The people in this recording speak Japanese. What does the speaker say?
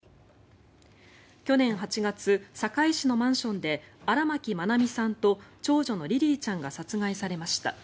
去年８月堺市のマンションで荒牧愛美さんと長女のリリィちゃんが殺害されました。